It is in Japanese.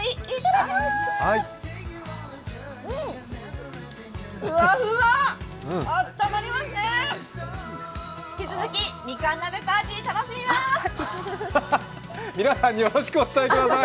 引き続き、みかん鍋パーティー楽しみます。